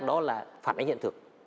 đó là phản ánh hiện thực